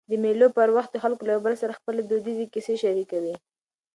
د مېلو پر وخت خلک له یو بل سره خپلي دودیزي کیسې شریکوي.